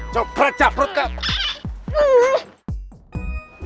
jangan di pegangin